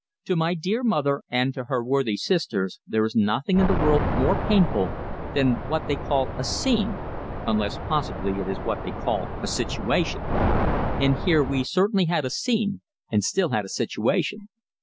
To my dear mother, and to her worthy sisters, there is nothing in the world more painful than what they call a "scene" unless possibly it is what they call a "situation." And here we had certainly had a "scene," and still had a "situation."